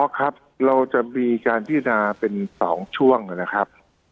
ครับเราจะมีการพินาเป็น๒ช่วงนะครับ